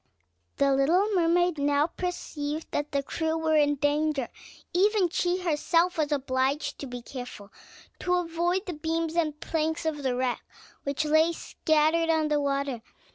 The little mermaid now perceived that the crew were in danger; even she herself was obliged to be careful to avoid the beams and planks of the wreck which lay scattered on the water.